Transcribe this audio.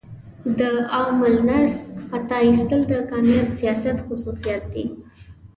د عوام الناس خطا ایستل د کامیاب سیاست خصوصیات دي.